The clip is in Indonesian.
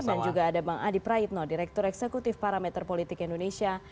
dan juga ada bang adi praitno direktur eksekutif parameter politik indonesia